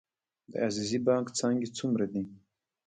د عزیزي بانک څانګې څومره دي؟